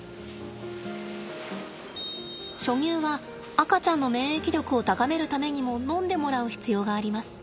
初乳は赤ちゃんの免疫力を高めるためにも飲んでもらう必要があります。